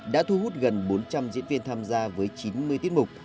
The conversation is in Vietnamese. đã thu hút gần bốn trăm linh diễn viên tham gia với chín mươi tiết mục